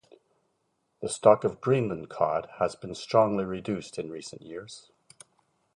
The stock of Greenland cod has been strongly reduced in recent years.